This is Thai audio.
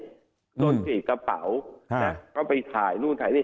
โดนติดกระเป๋าเอาไปถ่ายนู่นถ่ายนี้